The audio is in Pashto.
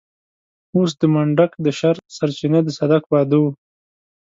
اوس د منډک د شر سرچينه د صدک واده و.